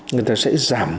người ta sẽ giảm bơm